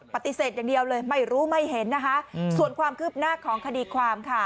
ปฏิเสธอย่างเดียวเลยไม่รู้ไม่เห็นนะคะส่วนความคืบหน้าของคดีความค่ะ